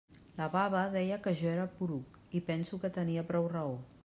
La baba deia que jo era poruc, i penso que tenia prou raó.